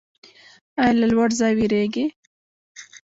ایا له لوړ ځای ویریږئ؟